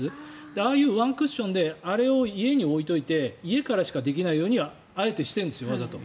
ああいうワンクッションであれを家に置いておいて家からしかできないようにあえてしてるんですよ。